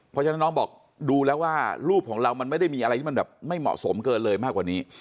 เพราะฉะนั้นน้องบอกดูแล้วว่ารูปของเรามันไม่ได้มีอะไรที่มันแบบไม่เหมาะสมเกินเลยมากกว่านี้